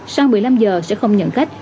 sau một mươi năm h sẽ không nhận khách